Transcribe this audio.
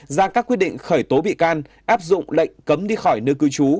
hai ra các quy định khởi tố bị can áp dụng lệnh cấm đi khỏi nơi cư trú